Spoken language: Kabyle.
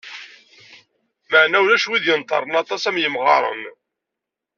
Meɛna ulac wid yenḍerren aṭas am yimɣaren.